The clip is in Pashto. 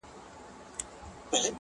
ته دي ټپه په اله زار پيل کړه.